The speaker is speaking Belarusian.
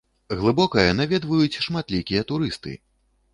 Глыбокае наведваюць шматлікія турысты!